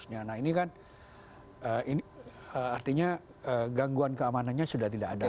nah ini kan artinya gangguan keamanannya sudah tidak ada